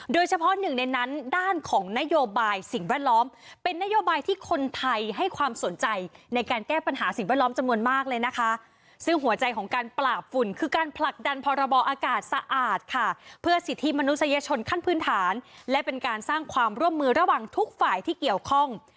โดยเฉพาะหนึ่งในนั้นด้านของนโยบายสิ่งแวดล้อมเป็นนโยบายที่คนไทยให้ความสนใจในการแก้ปัญหาสิ่งแวดล้อมจำนวนมากเลยนะคะซึ่งหัวใจของการปราบฝุ่นคือการผลักดันพรบอากาศสะอาดค่ะเพื่อสิทธิมนุษยชนขั้นพื้นฐานและเป็นการสร้างความร่วมมือระหว่างทุกฝ่ายที่เกี่ยวข้อง